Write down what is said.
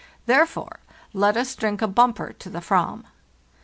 Therefore let us drink a bumper to the /ram!